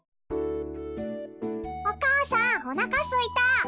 おかあさんおなかすいた。